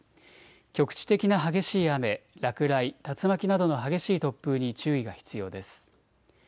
局地的な激しい雨、落雷、竜巻などの激しい突風に注意が必要です。